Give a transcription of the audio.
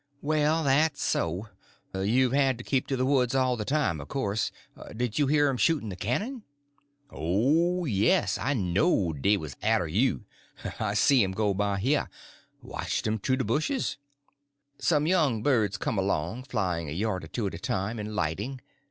"Well, that's so. You've had to keep in the woods all the time, of course. Did you hear 'em shooting the cannon?" "Oh, yes. I knowed dey was arter you. I see um go by heah—watched um thoo de bushes." Some young birds come along, flying a yard or two at a time and lighting.